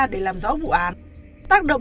để làm rõ vụ án tác động